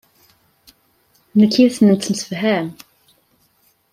Nekk yid-s nettemsefham.